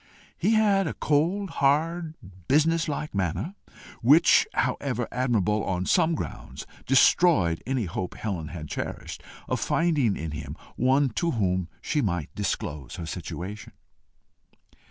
He had a cold, hard, business like manner, which, however admirable on some grounds, destroyed any hope Helen had cherished of finding in him one to whom she might disclose her situation.